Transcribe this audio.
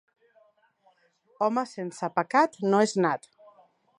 Home sense pecat no és nat.